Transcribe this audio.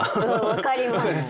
分かります！